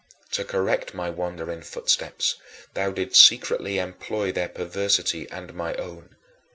To correct my wandering footsteps, thou didst secretly employ their perversity and my own.